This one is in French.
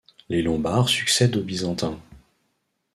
Les Lombards succèdent aux Byzantins.